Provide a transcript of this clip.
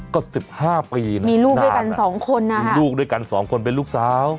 ก็สิบห้าปีนะมีลูกด้วยกันสองคนนะฮะลูกด้วยกันสองคนเป็นลูกสาว